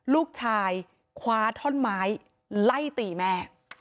ลูกชายคว้าท่อนไม้ไล่ตีแม่